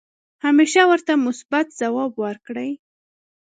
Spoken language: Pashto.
همیشه ورته مثبت ځواب ورکړئ .